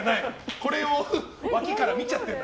これを脇から見ちゃってる。